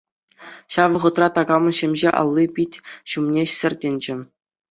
Ҫав вӑхӑтра такамӑн ҫӗмҫе алли пит ҫумне сӗртӗнчӗ.